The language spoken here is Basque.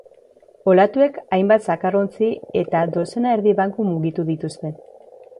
Olatuek hainbat zakarrontzi eta dozena erdi banku mugitu dituzte.